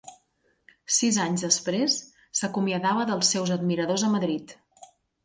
Sis anys després, s'acomiadava dels seus admiradors a Madrid.